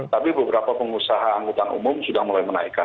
tapi beberapa pengusaha angkutan umum sudah mulai menaikkan